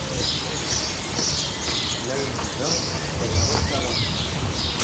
La lemmdeɣ imseɣret aɣelnaw.